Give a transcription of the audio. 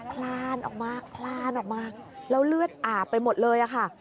คลานออกมาคลานออกมาแล้วเลือดอาบไปหมดเลยค่ะ